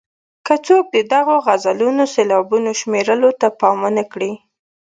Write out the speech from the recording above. که څوک د دغو غزلونو سېلابونو شمېرلو ته پام ونه کړي.